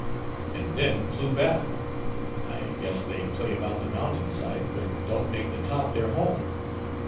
"And then flew back. I guess they play about the mountain side, but don't make the top their home.